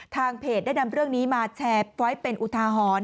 ทางเพจได้นำเรื่องนี้มาแชร์ไว้เป็นอุทาหรณ์